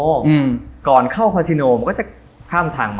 เมื่อเนี่ยคริสติน